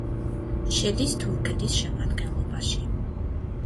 შედის თურქეთის შემადგენლობაში.